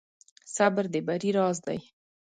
صبر د بری راز دی.